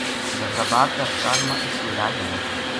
مظفرآباد کا ہسپتال ما اس کو علاج ہویو